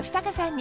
に